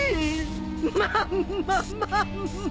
マンママンマ！